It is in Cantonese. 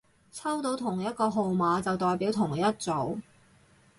抽到同一個號碼就代表同一組